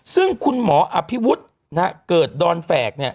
ซึ่งคุณหมออภิวุธเกิดดอนแฝก